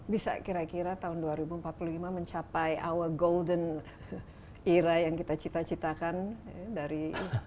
bisa kira kira tahun dua ribu empat puluh lima mencapai our golden era yang kita cita citakan dari